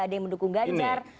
ada yang mendukung ganjar